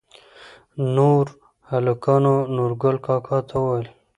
نوور هلکانو نورګل کاکا ته وويل